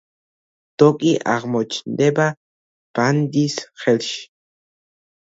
დოკი აღმოჩნდება ბანდის ხელში.